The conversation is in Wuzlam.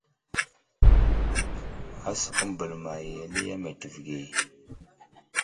Asəkum bəlma i ali a meltivi age.